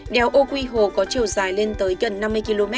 đèo ô quy hồ có chiều dài lên tới gần năm mươi km